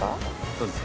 「そうです。